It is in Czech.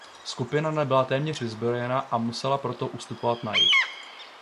Skupina nebyla téměř vyzbrojena a musela proto ustupovat na jih.